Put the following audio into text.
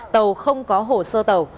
tàu không có hồ sơ tàu